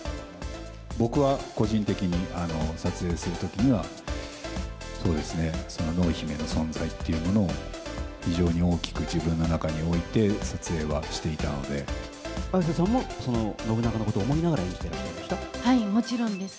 僕は個人的に、撮影するときには、そうですね、その濃姫の存在っていうものを非常に大きく自分の中において、綾瀬さんも、信長のことを思いながら、演じてらっしゃいました？はい、もちろんです。